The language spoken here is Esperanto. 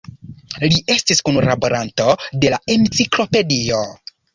Li estis kunlaboranto de la Enciklopedio.